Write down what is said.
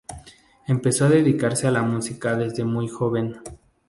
Empezó a dedicarse a la música desde muy joven.